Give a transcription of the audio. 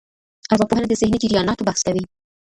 ارواپوهنه د ذهني جرياناتو بحث کوي.